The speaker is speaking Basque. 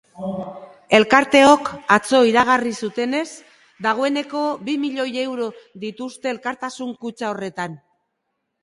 Elkarteok atzo iragarri zutenez, dagoeneko bi milioi euro dituzte elkartasun kutxa horretan.